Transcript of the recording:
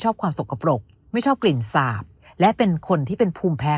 ความสกปรกไม่ชอบกลิ่นสาบและเป็นคนที่เป็นภูมิแพ้